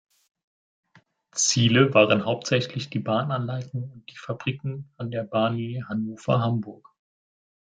Ziele waren hauptsächlich die Bahnanlagen und die Fabriken an der Bahnlinie Hannover–Hamburg.